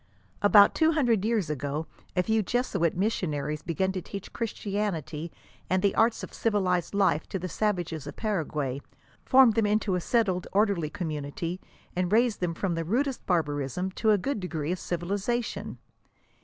"* About two hundred years ago a few Jesuit missionaries began to teach Christianity and the arts of civilized life to the savages of Paraguay; formed them into a settled, orderly community, and raised them from the rudest barbarism, to a good degree of civiliza tion.